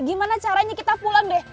gimana caranya kita pulang deh